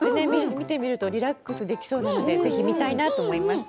見てみるとリラックスできそうなので、ぜひ見たいと思います。